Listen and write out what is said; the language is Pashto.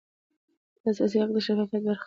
د لاسرسي حق د شفافیت برخه ده.